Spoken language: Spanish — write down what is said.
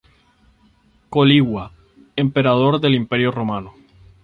Calígula, emperador del Imperio Romano.